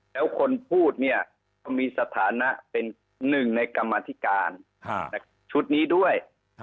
แล้วคนพูดเนี่ยก็มีสถานะเป็นหนึ่งในกรรมธิการชุดนี้ด้วย